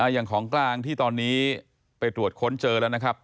อย่างของกลางที่ตอนนี้ไปตรวจค้นเจอแล้วนะครับ